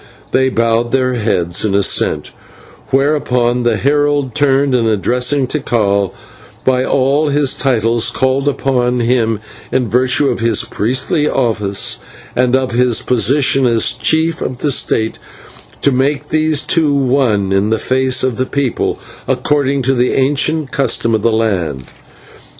They bowed their heads in assent, whereupon the herald turned, and, addressing Tikal by all his titles, called upon him, in virtue of his priestly office and of his position as chief of the state, to make these two one in the face of the people, according to the ancient custom of the land.